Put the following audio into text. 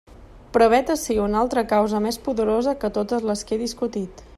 Però vet ací una altra causa més poderosa que totes les que he discutit.